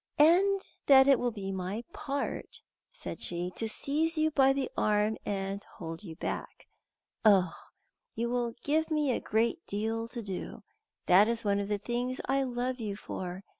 "And that it will be my part," said she, "to seize you by the arm and hold you back. Oh, you will give me a great deal to do! That is one of the things I love you for.